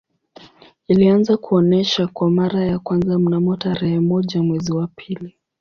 Ilianza kuonesha kwa mara ya kwanza mnamo tarehe moja mwezi wa pili